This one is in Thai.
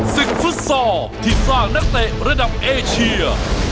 ฟุตซอลที่สร้างนักเตะระดับเอเชีย